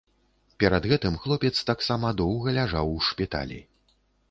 Перад гэтым хлопец таксама доўга ляжаў у шпіталі.